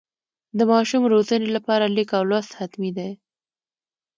د ماشوم روزنې لپاره لیک او لوست حتمي ده.